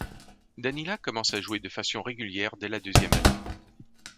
Danila commence à jouer de façon régulière dès la deuxième année.